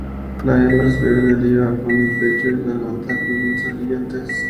La hembra es verde oliva, con el pecho y la garganta amarillentos y brillantes.